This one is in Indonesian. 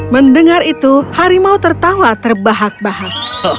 mendengar itu harimau tertawa terbahak bahak